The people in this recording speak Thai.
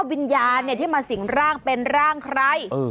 วิญญาณที่มาสิ่งร่างเป็นร่างใคร